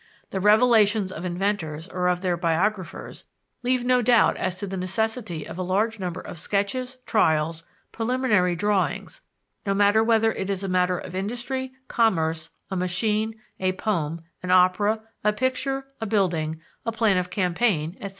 The revelations of inventors or of their biographers leave no doubt as to the necessity of a large number of sketches, trials, preliminary drawings, no matter whether it is a matter of industry, commerce, a machine, a poem, an opera, a picture, a building, a plan of campaign, etc.